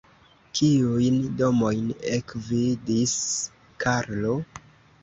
Kiujn domojn ekvidis Karlo?